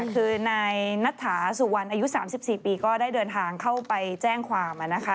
คือนายนัทถาสุวรรณอายุ๓๔ปีก็ได้เดินทางเข้าไปแจ้งความ